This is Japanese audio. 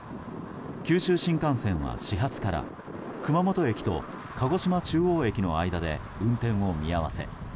九州新幹線は始発から熊本駅と鹿児島中央駅の間で運転を見合わせ。